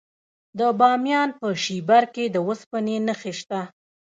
د بامیان په شیبر کې د وسپنې نښې شته.